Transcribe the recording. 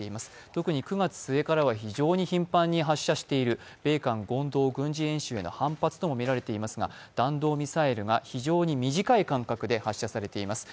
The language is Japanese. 特に９月末からは非常に頻繁に発射している、米韓合同軍事演習への反発ともみられていますが弾道ミサイルが非常に短い間隔で発射されています。